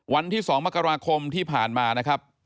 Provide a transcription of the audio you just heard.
วันที่๒มกราคมที่ผ่านมานะครับ